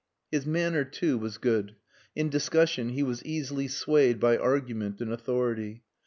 His manner, too, was good. In discussion he was easily swayed by argument and authority.